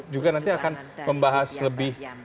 juga nanti akan membahas lebih